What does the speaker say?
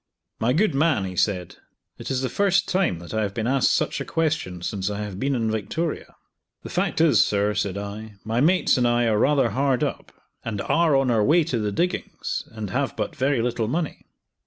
"My good man," he said, "it is the first time that I have been asked such a question since I have been in Victoria." "The fact is, sir," said I, "my mates and I are rather hard up, and are on our way to the diggings, and have but very little money."